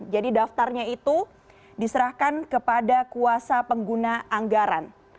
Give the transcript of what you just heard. jadi daftarnya itu diserahkan kepada kuasa pengguna anggaran